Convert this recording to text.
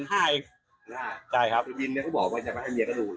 ไปบินเหมือนเขาบอกว่าจะไปให้เมียเข้าดู